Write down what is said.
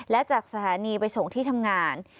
และจากสถานีไปส่งที่ทำงาน